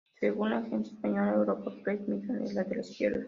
Según la agencia española "Europa Press", Mijaíl es de izquierda.